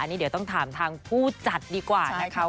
นี่เดี๋ยวต้องถามทางผู้จัดดีกว่านะคะ